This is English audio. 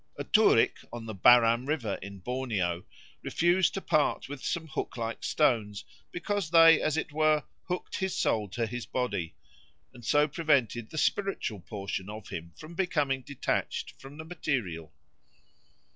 A Turik on the Baram River, in Borneo, refused to part with some hook like stones, because they, as it were, hooked his soul to his body, and so prevented the spiritual portion of him from becoming detached from the material.